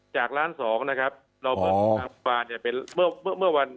จาก๑๒๐๐๐๐๐บาทนะครับเราเปิดของทางปกติเป็น